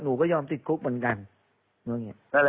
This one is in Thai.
เพราะว่าตอนแรกมีการพูดถึงนิติกรคือฝ่ายกฎหมาย